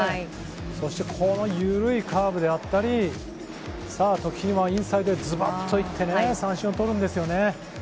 そしてこの緩いカーブであったり時にはインサイドへずばっと行って三振を取ります。